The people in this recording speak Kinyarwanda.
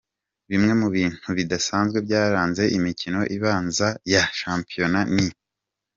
Bimwe mu bintu bidasanzwe byaranze imikino ibanza ya shampiyona ni :.